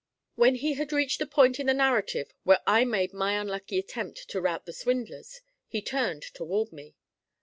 When he had reached the point in the narrative where I made my unlucky attempt to rout the swindlers, he turned toward me.